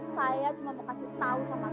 saya cuma mau kasih tahu sama kamu